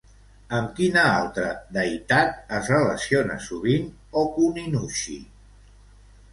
Amb quina altra deïtat es relaciona sovint Ōkuninushi?